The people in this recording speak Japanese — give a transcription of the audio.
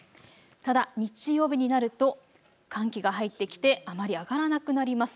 ただ日曜日になると寒気が入ってきてあまり上がらなくなります。